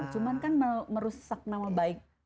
cuma kan merusak nama baik blood for life